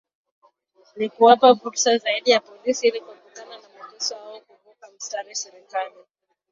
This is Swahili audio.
Ni kuwapa fursa zaidi ya polisi Ili kuepukana na mateso wao kuvuka mistari serikali